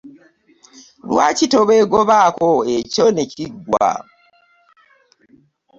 Lwaki tobeegobaako ekyo ne kiggwa?